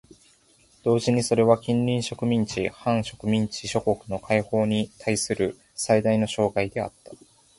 同時にそれは近隣植民地・半植民地諸国の解放にたいする最大の障害であった。